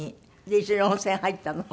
で一緒に温泉入ったの？